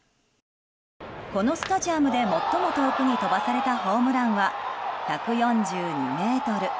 このスタジアムで最も遠くに飛ばされたホームランは１４２ｍ。